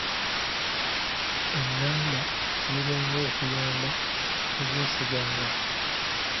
Enganda zirwawo okuyamba, tozeesiganga.